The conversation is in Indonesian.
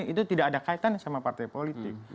itu tidak ada kaitannya sama partai politik